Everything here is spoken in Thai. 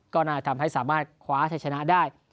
ก็น่าทำให้สามารถคว้าชัยชนะได้